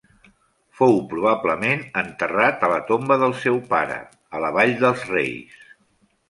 Fou probablement enterrat a la tomba del seu pare a la Vall dels Reis.